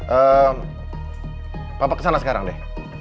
eh papa ke sana sekarang deh